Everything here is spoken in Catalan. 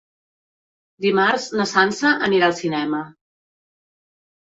Dimarts na Sança anirà al cinema.